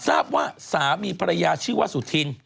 ทราบว่าสามีภรรยาชื่อว่าสุธิน